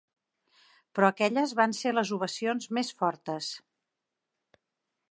Però aquelles van ser les ovacions més fortes.